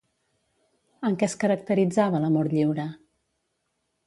En què es caracteritzava l'amor lliure?